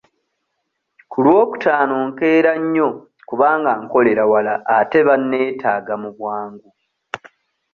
Ku lwokutaano nkeera nnyo kubanga nkolera wala ate banneetaaga mu bwangu.